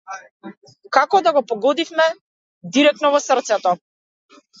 Како да го погодивме директно во срцето.